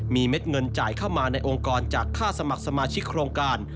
มีเม็ดเงินจ่ายเข้ามาในองค์กรจากค่าสมัครสมาชิกโครงการ